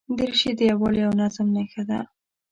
دریشي د یووالي او نظم نښه ده.